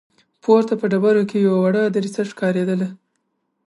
پورته په ډبرو کې يوه وړه دريڅه ښکارېدله.